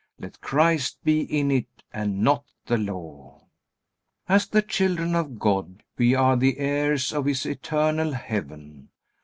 Let Christ be in it and not the Law. As the children of God we are the heirs of His eternal heaven.